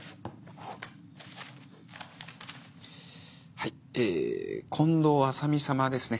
はいえ近藤麻美様ですね。